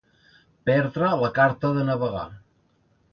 Perdre la carta de navegar.